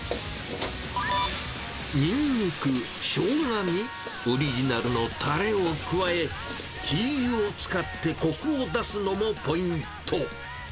ニンニク、ショウガに、オリジナルのたれを加え、チーユを使ってこくを出すのもポイント。